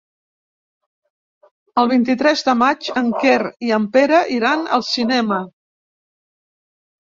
El vint-i-tres de maig en Quer i en Pere iran al cinema.